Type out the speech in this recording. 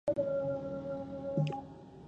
د مېلو پر مهال ځيني خلک د خپل ژوند ملګری پېژني.